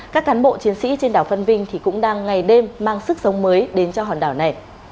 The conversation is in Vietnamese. các cán bộ chiến sĩ trên đảo phân vinh cũng đang ngày đêm mang sức sống mới đến cho hòn đảo này